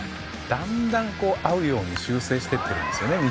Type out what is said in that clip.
だんだん合うように修正しているんですよね。